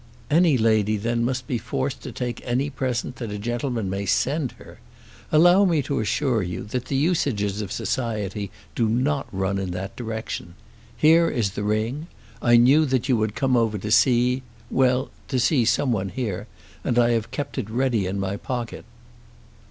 "Any lady then must be forced to take any present that a gentleman may send her! Allow me to assure you that the usages of society do not run in that direction. Here is the ring. I knew that you would come over to see well, to see someone here, and I have kept it ready in my pocket."